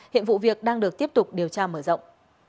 hiện vụ việc đang được tiếp tục điều tra mở rộng